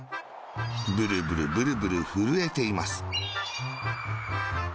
ブルブル、ブルブル、ふるえています。